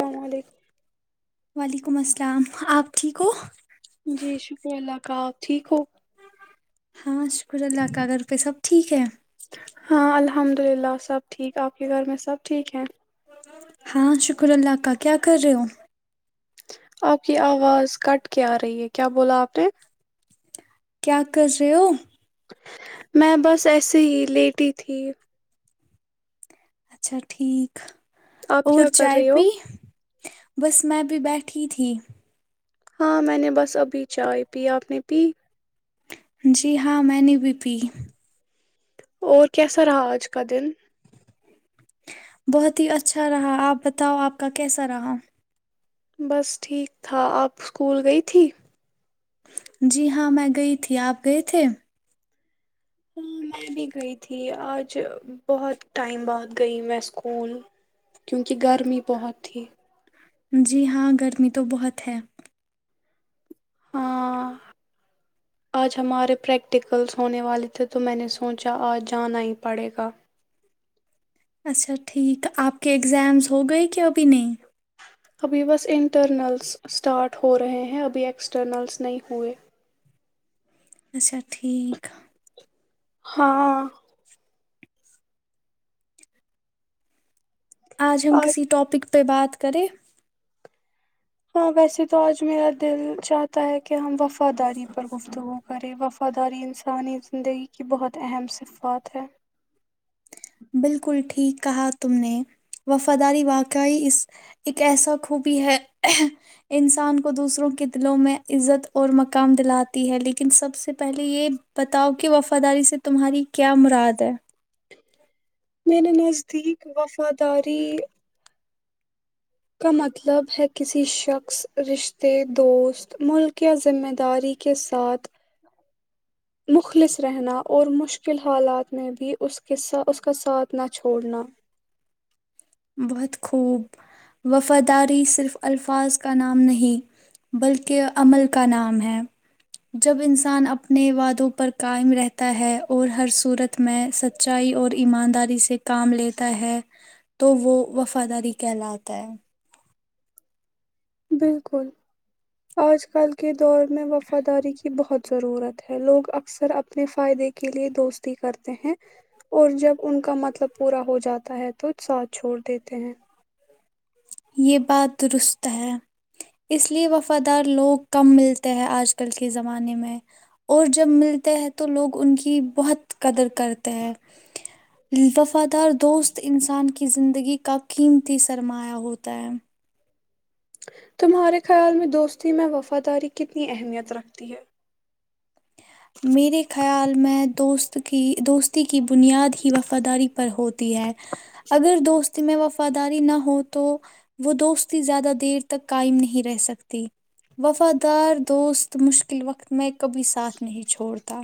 السلام علیکم وعلیکم السلام آپ ٹھیک ہو جی شکر اللہ آپ ٹھیک ہو ہاں شکر شکر اللہ کا گھر پہ سب ٹھیک ہے ہاں الحمد للہ سب ٹھیک آپ کے گھر میں سب ٹھیک ہیں ہاں شکر اللہ کا کیا کر رہے ہو آپ کی آواز کٹ کے آ رہی ہے کیا بولا آپ نے کیا کر رہے ہو میں بس ایسے ہی لیٹی تھی اچھا ٹھیک آپ اور کیا کر چائے رہی ہو پی بس میں بھی بیٹھی ہی تھی ہاں میں نے بس ابھی چائے پی آپ نے پی جی ہاں میں نے بھی پی اور کیسا رہا آج کا دن بہت ہی اچھا رہا آپ بتاؤ آپ کا کیسا رہا بس ٹھیک تھا آپ اسکول گئی تھی جی ہاں میں گئی تھی آپ گئے تھے ہاں میں بھی گئی تھی آج بہت ٹائم بعد گئی میں اسکول کیونکہ گرمی بہت تھی جی ہاں گرمی تو بہت ہے ہاں آج ہمارے پریکٹیکلس ہونے والے تھے تو میں نے سوچا آج جانا ہی پڑے گا اچھا ٹھیک آپ کے اگزامس ہو گئے کہ ابھی نہیں ابھی بس انٹرنلس اسٹارٹ ہو رہے ہیں ابھی ایکسٹرنلس نہیں ہوئے اچھا ٹھیک ہے ہاں [unintelligible] آج ہم کسی ٹاپک پ پہ بات کریں ہاں ویسے تو آج میرا دل چاہتا ہے کہ ہم وفا وفاداری پر گفتگو وفاداری انسانی زندگی کی بہت اہم صفات ہے بالکل ٹھیک کہا تم نے وفاداری واقعی اس ایک ایسا خوبی ہے انسان کو دوسروں کے دلوں میں عزت اور مقام دلاتی ہے لیکن سب سے پہلے یہ بتاؤ کہ وفاداری سے تمہاری کیا مراد ہے میرے نزدیک وف ماداری [inaudible] [unintelligible] بہت خوب وفاداری صرف الفاظ کا نام نہیں بلکہ عمل کا نام ہے جب انسان اپنے وادوں پر قائم رہتا ہے اور ہر صورت میں سچائی اور ایمانداری سے کام لیتا ہے تو وہ وفاداری کہلاتا ہے بالکل آج کل کے دور میں وفاداری کی بہت ضرورت ہے لوگ اکثر اپنے فائدے کے لیے دوستی کرتے ہیں اور جب ان کا مطلب پورا ہو جاتا ہے تو ساتھ چھوڑ دیتے ہیں یہ بات درست ہے اس لیے وفادار لوگ کم ملتے ہیں آج کل کے زمانے میں اور جب ملتے ہیں تو لوگ ان کی بہت قدر کرتے ہیں وفادار دوست انسان کی زندگی کا قیمتی سر سرمایا ہوتا ہے تمہارے خیال میں دوستی میں وفاداری کتنی اہمیت رکھتی ہے تو کہ دوستی کی بنیاد ہی وفاداری پر ہوتی ہے اگر دوست میں وفاداری نہ ہو تو وہ دوستی زیادہ دیر تک قائم نہیں رہ سکتی وفادار دوست مشکل وقت میں کبھی ساتھ نہیں چھوڑتا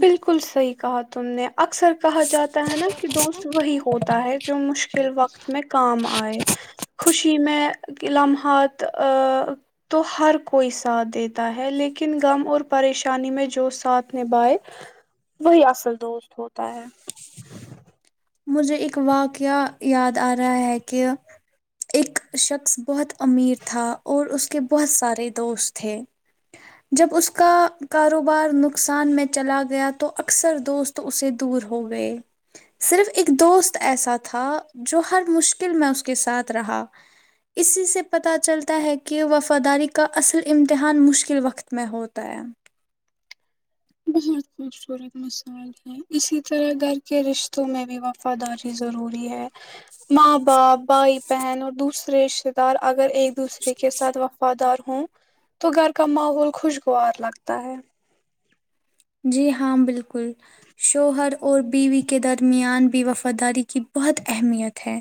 بالکل صحیح کہات تم نے اکثر کہا جاتا ہے نا کہ دوست وہی ہوتا ہے جو مشکل وقت میں کام آئے خوشی میں کہ لمحات تو ہر کوئی ساتھ دیتا ہے لیکن غم اور پریشانی میں جو ساتھ نبھائے وہی اصل دوست ہوتا ہے مجھے ایک واقعہ یاد آ رہا ہے کہ ایک شخص بہت امیر تھا اور اس کے بہت سارے دوست تھے جب اس کا کاروبار نقصان میں چلا گیا تو اکثر دوست اسے دور ہو گئے صرف اک دوست ایسا تھا جو ہر مشکل میں اس کے ساتھ رہا اسی سے پتہ چلتا ہے کہ وفاداری کا اصل امتحان مشکل وقت میں ہوتا ہے بہت خوبصورت مثال ہے اسی طرح گھر کے رشتوں میں بھی وفاداری ضروری ہے ماں باپ بھائی بہن اور دوسرے رشتہ دار اگر ایک دوسرے کے ساتھ وفادار ہوں تو گھر کا ماحول خوشگوار لگتا ہے جی ہاں بالکل شوہر اور بیوی کے درمیان بھی وفاداری کی بہت اہمیت ہے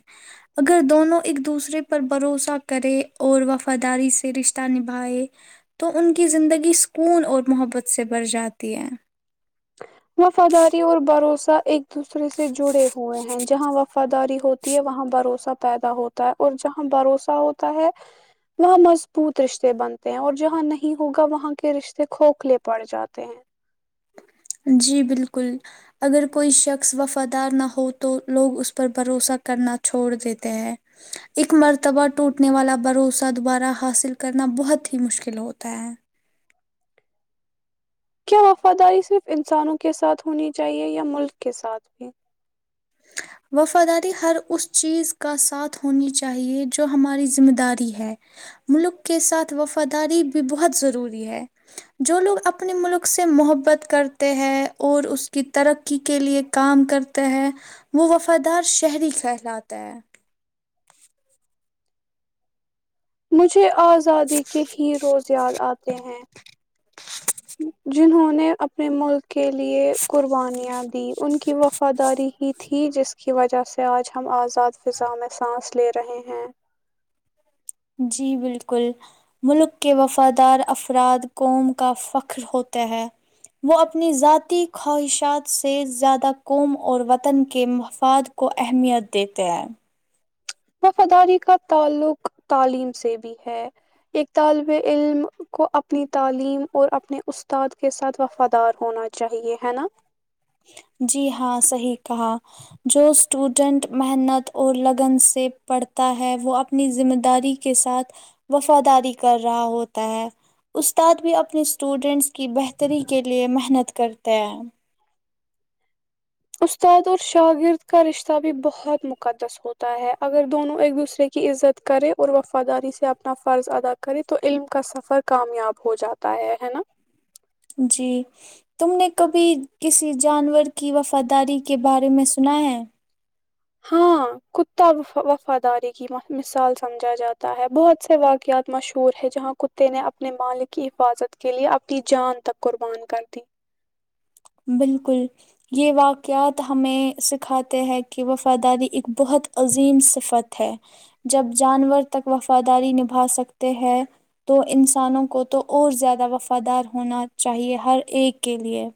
اگر دونوں ایک دوسرے پر بھروسہ کرے اور وفاداری سے رشتہ نبھائے تو ان کی زندگی سکون اور محبت سے بر جاتی د ہیں وفاداری اور بھروسہ ایک دوسرے سے جڑے ہوئے ہیں جہاں وفاداری ہوتی ہے وہاں بھروسہ پیدا ہوتا ہے اور جہاں بھروسہ ہوتا ہے وہاں مضبوط رشتے بنتے ہیں اور جہاں نہیں ہوگا وہاں کے رشتے کھوکھلے پڑ جاتے ہیں جی بالکل اگر کوئی شخص وفادار نہ ہو تو لوگ اس پر بھروسہ کرنا چھوڑ دیتے ہیں اک مرتبہ ٹوٹنے والا بھروسہ دوبارہ حاصل کرنا بہت ہی مشکل ہوتا ہے کیا وفاداری صرف انسانوں کے ساتھ ہونی چاہیئے یا ملک کے ساتھ بھی وفاداری ہر اس چیز کا ساتھ ہونی چاہیے جو ہماری ذمہ داری ہے ملک کے ساتھ وفاداری بھی بہت ضروری ہے جو لوگ اپنے ملک سے محبت کرتے ہیں اور اس کی ترقی کے لیے کام کرتے ہیں وہ وفادار شہری کہلاتا ہے مجھے ا آزادی کے ہی روز یاد آتے ہیں جنہوں نے نے اپنے ملک کے لیے قربانیاں دی ان کی وفاداری ہی تھی جس کی کی وجہ سے آج ہم آزاد فضا میں سانس لے رہے ہیں جی بالکل ملک کے وفادار افراد قوم کا فخر ہوتا ہے وہ اپنی ذاتی خواہشات سے زیادہ قوم اور وطن کے مفاد کو اہمیت دیتے ہیں وفاداری کا تعلق تعلیم سے بھی ہے ایک طالب علم کو اپنی تعلیم اور اپنے استاد کے ساتھ وفادار ہونا چاہیے ہے نا جی ہاں صحیح کہا جو اسٹوڈینٹ محنت اور لگن سے پڑھتا ہے وہ اپنی ذمہ داری کے ساتھ وفاداری کر رہا ہوتا ہے استاد بھی اپنی اسٹوڈینٹس کی بہتری کے لیے محنت کر [unintelligible] [unintelligible] جی تم نے کبھی کسی جانور کی وفاداری کے بارے میں سنا ہے ہاں کتا وفاداری کی مثال سمجھا جاتا ہے بہت سے واقعات مشہور ہے جہاں کتے نے اپنے مالک کی حفاظت کے لیئے اپنی جان تک قربان کرد بالکل یہ واقعات ہمیں سکھاتے ہے کہ وفاداری ایک بہت عظیم صفت ہے جب جانور تک وفاداری نبھا سکتے ہیں تو انسانوں کو تو اور زیادہ وفادار ہونا چاہیے ہر ایک کے لئے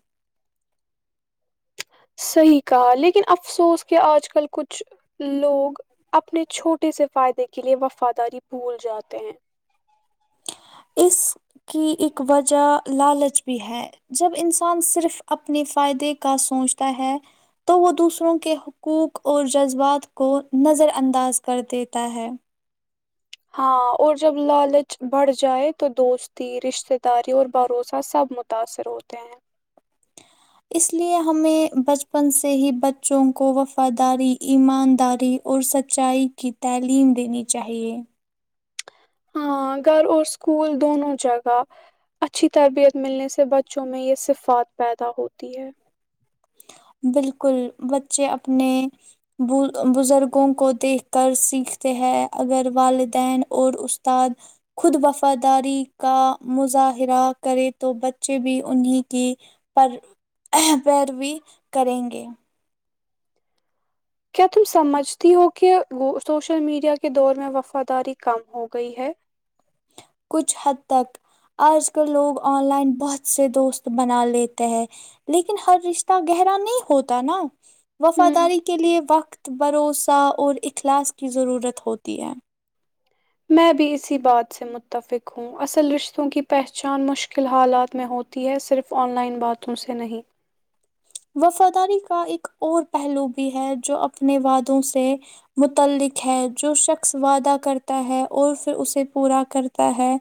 صحیح کہا لیکن افسوس کہ آج کل کچھ لوگ اپنے چھوٹے سے فائدے کےلئے وفاداری بھول جاتے ہیں اس کی ایک وجہ لالچ بھی ہے جب انسان صرف اپنے فائدے کا سوچتا ہے تو وہ دوسروں کے حقوق اور جذبات کو نظر انداز کر دیتا ہے ہاں اور جب لالچ بڑھ جائے تو دوستی رشتہ داری اور بھروسہ سب متاثر ہوتے ہیں اس لیے ہمیں بچپن سے ہی بچوں کو وفاداری ایمانداری اور سچائی کی تعلیم دینی چاہیے ہاں گھر اور اسکول دونوں جگہ اچھی تربیت ملنے سے بچوں میں یہ صفات پیدا ہوتی ہے بالکل بچے اپنے بزرگوں کو دیکھ کر سیکھتے ہیں اگر والدین اور استاد خود وفاداری کا مظاہرہ کرے تو بچے بھی انہیں کی پر پیروی کریں گے کیا تم سمجھتی ہو کہ سوشل میڈیا کے دور میں وفاداری کم ہو گئی ہے کچھ حد تک آج کل لوگ آن لائن بہت سے دوست بنا لیتے ہیں لیکن ہر رشتہ گہرا نہیں ہوتا نا ہ وفاداری کے لیئے وقت بھروسہ اور اخلاص کی ضرورت ہوتی ہے میں بھی اسی بات سے متفق ہوں اصل رشتوں کی پہچان مشکل حالات میں ہوتی ہے صرف آن لائن باتوں سے نہیں وفاداری کا ایک اور پہلو بھی ہے جو اپنے وعادوں سے متعلق ہے جو شخص وعدہ کرتا ہے اور پھر اسے پورا کرتا ہے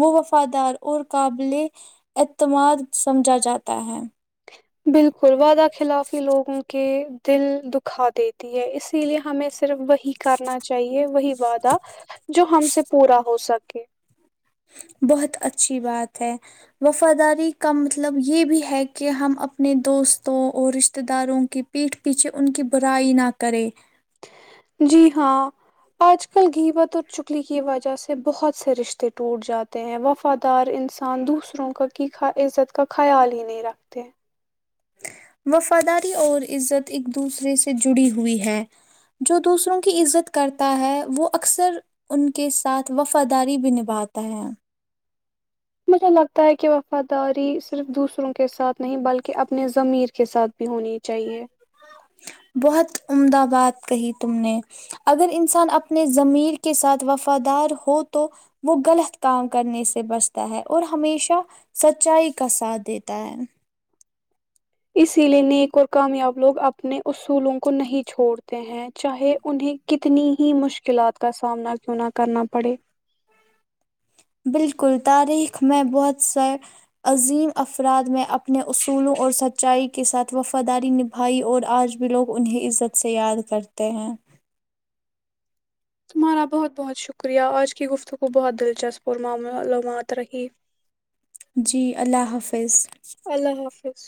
وہ وفادار اور قابل اعتماد سمجھا جاتا ہے بالکل وعدہ خلافی لوگوں کے دل دکھا دیتی ہے اسی لیے ہمیں صرف وہی کرنا چاہیے وہی وعدہ جو ہم سے پورا ہو سکتا بہت اچھی بات ہے وفاداری کا مطلب یہ بھی ہے کہ ہم اپنے دوستوں اور رشتہ داروں کے پیٹھ پیچھے ان کی برائی نہ کریں جی ہاں آج کل گھیبت اور چکلی کی وجہ سے بہت سے رشتے ٹوٹ جاتے ہیں وفادار انسان دوسروں کا کی عزت کا خیال ہی نہیں رکھتے وفاداری اور عزت ایک دوسرے سے جڑی ہوئی ہے جو دوسروں کی عزت کرتا ہے وہ اکثر ان کے ساتھ وفاداری بھی نبھاتا ہے مجھے لگتا ہے کہ وفاداری صرف دوسروں کے ساتھ نہیں بلکہ اپنے میر [unintelligible] بہت امد باد کہی تم نے اگر انسان اپنے ضمیر کے ساتھ وفادار ہو تو وہ غلط کام کرنے سے بچتا ہے اور ہمیشہ سچائی کا ساتھ دیتا ہے اسی لیئے نیک اور کامیاب لوگ اپنے اصولوں کو نہیں چھوڑتے ہیں چاہے انہیں کتنی ہی مشکلات کا سامنا کیوں نہ کرنا پڑے بالکل تعریف میں بہت عظیم افراد میں اپنے اصولوں اور سچائی کے ساتھ وفاداری نبھائی اور آج بھی لوگ انہیں عزت سے یاد کرتے ہیں تمہارا بہت بہت شکریہ آج کی گفتگ کو بہت دلچسپ اور معلومات رہی جی اللہ حافظ اللہ حافظ